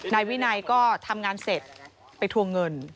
นายวินัยก็ทำงานเสร็จไปทวงเงิน